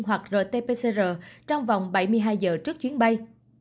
hoặc rt pcr trong vòng bảy mươi hai giờ trước chuyến bay